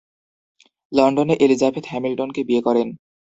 লন্ডনে এলিজাবেথ হ্যামিলটনকে বিয়ে করেন।